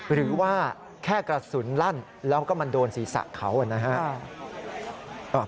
หรือว่าแค่กระสุนลั่นแล้วก็มันโดนศีรษะเขานะครับ